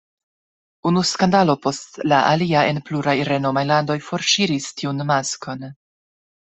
Unu skandalo post la alia en pluraj renomaj landoj forŝiris tiun maskon.